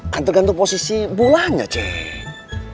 kan tergantung posisi bulannya cek